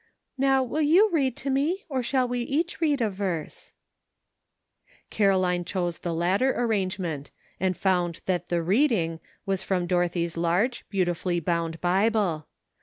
Now will you read to me, or shall we each read a verse ?" Caroline chose the latter arrangement, and found that the '' reading " was from Dorothy's large, beautifully bound Bible.